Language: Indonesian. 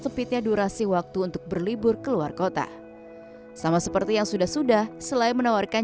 sempitnya durasi waktu untuk berlibur ke luar kota sama seperti yang sudah sudah selain menawarkan